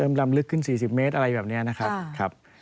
ลำลึกขึ้น๔๐เมตรอะไรแบบนี้นะครับ